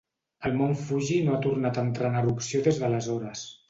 El Mont Fuji no ha tornat a entrar en erupció des d'aleshores.